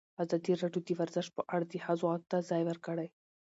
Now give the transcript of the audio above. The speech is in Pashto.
ازادي راډیو د ورزش په اړه د ښځو غږ ته ځای ورکړی.